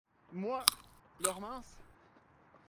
Moi, leur mince